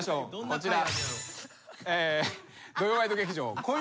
こちら。